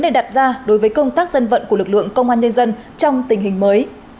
đề đặt ra đối với công tác dân vận của lực lượng công an nhân dân trong tình hình mới